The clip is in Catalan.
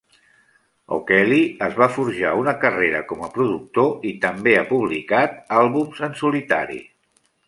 O'Kelly es va forjar una carrera com a productor i també ha publicat àlbums en solitari.